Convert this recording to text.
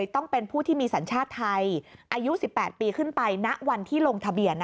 ต้องเป็นผู้ที่มีสัญชาติไทยอายุ๑๘ปีขึ้นไปณวันที่ลงทะเบียน